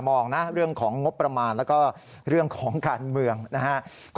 มองนะเรื่องของงบประมาณแล้วก็เรื่องของการเมืองนะครับ